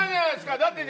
だってね